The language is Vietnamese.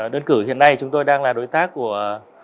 đơn cử hiện nay chúng tôi đang là đối tác của